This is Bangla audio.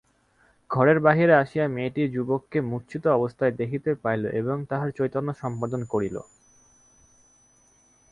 ঘরের বাহিরে আসিয়া মেয়েটি যুবককে মূর্ছিত অবস্থায় দেখিতে পাইল এবং তাহার চৈতন্য সম্পাদন করিল।